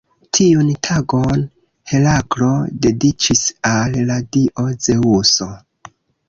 Tiun tagon Heraklo dediĉis al la dio Zeŭso.